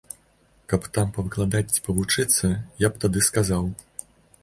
Каб там павыкладаць ці павучыцца, я б тады сказаў.